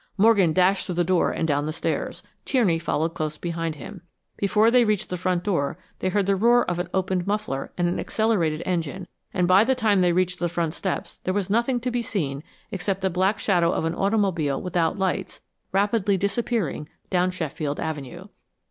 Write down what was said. Morgan dashed through the door and down the stairs. Tierney followed close behind him. Before they reached the front door they heard the roar of an opened muffler and an accelerated engine, and by the time they reached the front steps there was nothing to be seen except the black shadow of an automobile without lights rapidly disappearing down Sheffield Avenue.